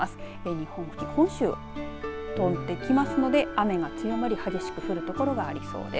日本付近、本州通っていきますので雨が強まり激しく降る所がありそうです。